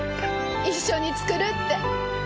一緒に作るって。